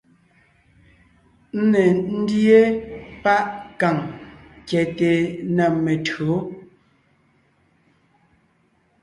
Ńne ńdíe páʼ kàŋ kyɛte na metÿǒ,